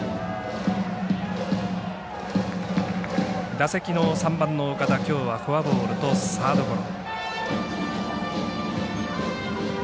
打席の３番の岡田きょうはフォアボールとサードゴロ。